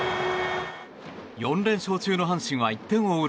４連勝中の阪神は１点を追う